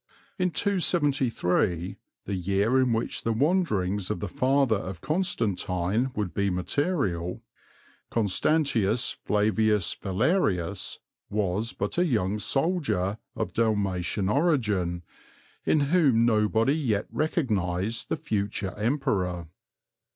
In 273, the year in which the wanderings of the father of Constantine would be material, Constantius Flavius Valerius was but a young soldier, of Dalmatian origin, in whom nobody yet recognized the future Emperor.